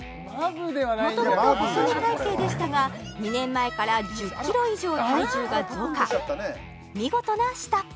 もともと細身体形でしたが２年前から１０キロ以上体重が増加